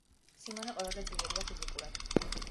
სიმონე ყველაზე ძლიერია ფიზიკურად.